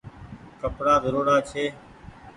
ڪپڙآ ڌوڙاڙا ڇي